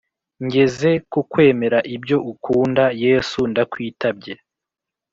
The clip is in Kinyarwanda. Ngeze kukwemera ibyo ukunda yesu ndakwitabye